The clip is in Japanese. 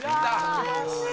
残念！